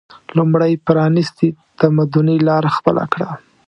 لومړی پرانیستي تمدني لاره خپله کړه